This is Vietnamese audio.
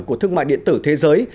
của thương mại điện tử thế giới